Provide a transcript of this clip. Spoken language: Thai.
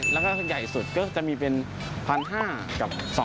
๓๕๐๔๐๐๕๐๐แล้วก็ใหญ่สุดก็จะมีเป็น๑๕๐๐กับ๒๐๐๐